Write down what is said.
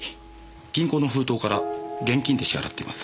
銀行の封筒から現金で支払っています。